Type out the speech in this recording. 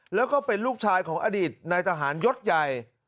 แล้วก็เป็นลูกชายของอดีตนายทหารยศใหญ่